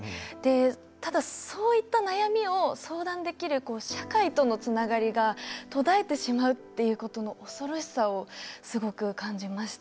ただそういった悩みを相談できる社会とのつながりが途絶えてしまうっていうことの恐ろしさをすごく感じました。